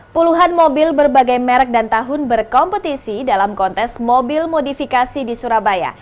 puluhan mobil berbagai merek dan tahun berkompetisi dalam kontes mobil modifikasi di surabaya